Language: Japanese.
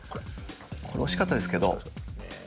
これ惜しかったですけど。